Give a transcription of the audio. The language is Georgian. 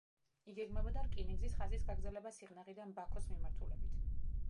იგეგმებოდა რკინიგზის ხაზის გაგრძელება სიღნაღიდან ბაქოს მიმართულებით.